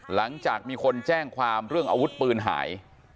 หลังจากมีคนแจ้งความเรื่องอาวุธปืนหาย